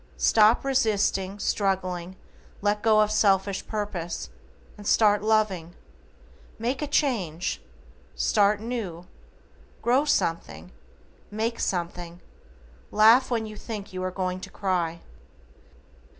Stop resisting, struggling, let go of selfish purpose, and start loving. Make a change. Start new. Grow something, make something, laugh when you think you are going to cry.